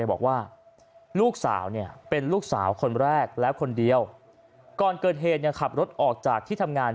บอกว่าลูกสาวเนี่ยเป็นลูกสาวคนแรกและคนเดียวก่อนเกิดเหตุขับรถออกจากที่ทำงาน